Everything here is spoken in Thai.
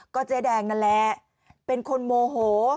เจ๊แดงนั่นแหละเป็นคนโมโห